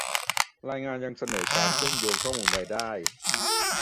รายงานยังเสนอการเชื่อมโยงข้อมูลรายได้